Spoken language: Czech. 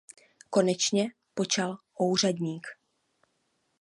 Konečně počal ouřadník.